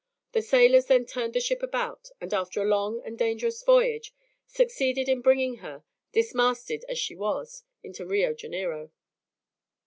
The sailors then turned the ship about, and after a long and dangerous voyage, succeeded in bringing her, dismasted as she was, into Rio Janeiro.